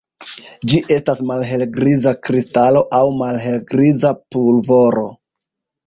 Ĝi estas malhelgriza kristalo aŭ malhelgriza pulvoro.